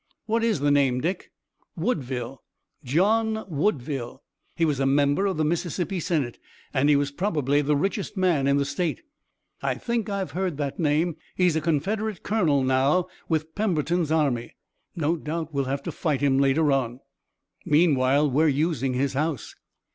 "What is the name, Dick?" "Woodville, John Woodville. He was a member of the Mississippi Senate, and he was probably the richest man in the State." "I think I have heard the name. He is a Confederate colonel now, with Pemberton's army. No doubt we'll have to fight him later on." "Meanwhile, we're using his house."